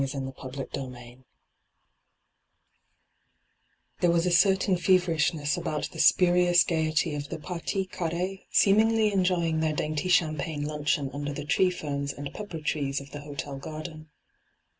13—2 nyt,, 6^hyG00glc CHAPTER XV There was a certain feverishness about the spurious gaiety of the pa/rtie carr4e seemingly enjoying their dainty champagne luncheon under the tree ferns and pepper trees of the hotel garden.